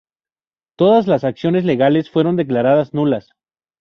Todas las acciones legales fueron declaradas nulas.